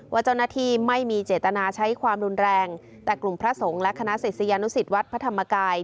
ว่าเจ้าหน้าที่ไม่มีเจตนาใช้ความรุนแรงแต่กลุ่มพระสงฆ์และคณะศิษยานุสิตวัดพระธรรมกาย